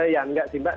ya nggak sih mbak